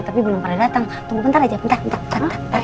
tunggu bentar aja bentar bentar ya bentar ya bentar ya